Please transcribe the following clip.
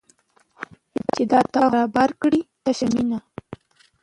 چې دا تا خو رابار کړې تشه مینه